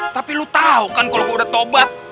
tapi lu tau kan kalau gue udah tobat